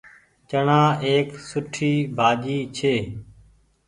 چڻآ ايڪ سُٺي ڀآڃي ڇي۔